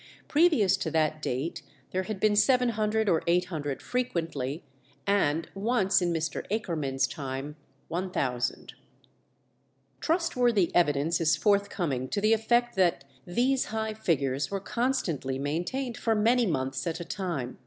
Previous to that date there had been 700 or 800 frequently, and once, in Mr. Akerman's time, 1000. Trustworthy evidence is forthcoming to the effect that these high figures were constantly maintained for many months at a time.